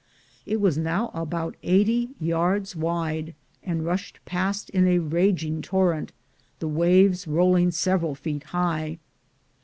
It was nov/ about eighty yards wide, and rushed past in a raging torrent, the waves rolling several feet high.